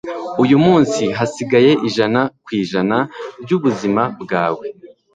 Uyu munsi, hasigaye ijana kw'ijana by'ubuzima bwawe.”